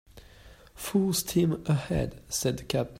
"Full steam ahead," said the captain.